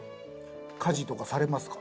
家事とかされますか？